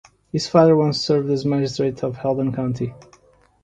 His father once served as magistrate of Hedong County.